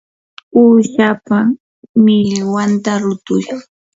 uushapa millwanta rutuy.